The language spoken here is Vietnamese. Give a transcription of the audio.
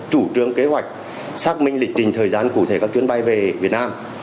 thủ trướng kế hoạch xác minh lịch trình thời gian cụ thể các chuyến bay về việt nam